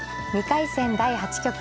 ２回戦第８局。